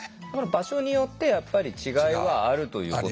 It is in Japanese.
場所によってやっぱり違いはあるということですよね。